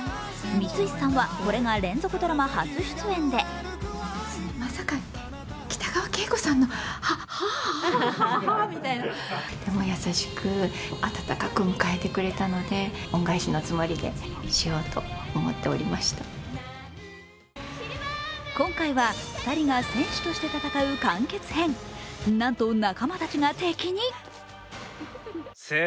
三石さんは、これが連続ドラマ初出演で今回は２人が戦しとして戦う完結編、なんと仲間たちが敵に。